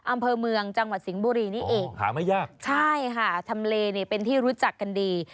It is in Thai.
อำเภอเมืองจังหวัดสิงห์บุรีนี่เองหาไม่ยากใช่ค่ะทำเลเนี่ยเป็นที่รู้จักกันดี